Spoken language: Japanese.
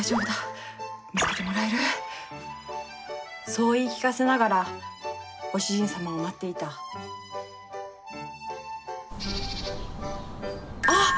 そう言い聞かせながらご主人様を待っていたあっ！